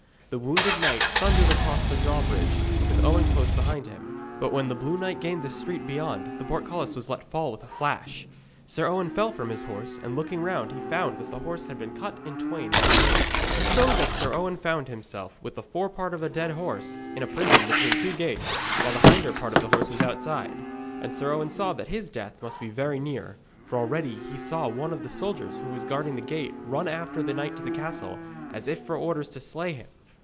The wounded knight thundered across the drawbridge, with Owen close behind him; but when the blue knight gained the street beyond, the portcullis was let fall with a rush. Sir Owen fell from his horse, and looking round he found that the horse had been cut in twain by the gate. So that Sir Owen found himself, with the forepart of the dead horse, in a prison between the two gates, while the hinder part of the horse was outside. And Sir Owen saw that his death must be very near, for already he saw one of the soldiers who were guarding the gate run after the knight to the castle, as if for orders to slay him.